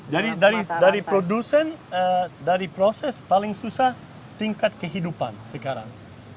jadi dari produsen dari proses paling susah tingkat kehidupan sekarang